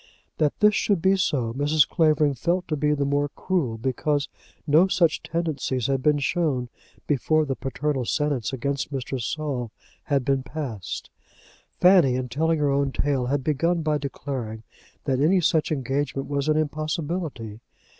That this should be so Mrs. Clavering felt to be the more cruel, because no such tendencies had been shown before the paternal sentence against Mr. Saul had been passed. Fanny in telling her own tale had begun by declaring that any such an engagement was an impossibility.